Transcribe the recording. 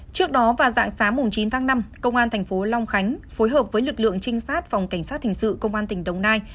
trước đó vào dạng sáng chín tháng năm công an thành phố long khánh phối hợp với lực lượng trinh sát phòng cảnh sát hình sự công an tỉnh đồng nai